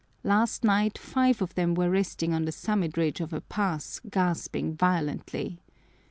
Last night five of them were resting on the summit ridge of a pass gasping violently.